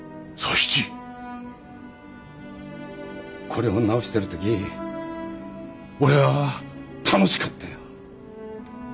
これを直してる時俺は楽しかったよ。